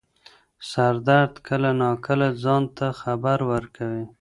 سردرد کله نا کله ځان ته خبر ورکوي.